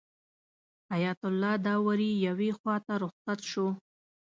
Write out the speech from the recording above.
حیات الله داوري یوې خواته رخصت شو.